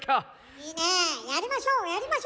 いいねやりましょうやりましょう。